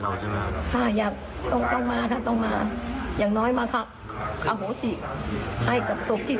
ให้กับสกที่แล้วที่ตาย๒คนนี้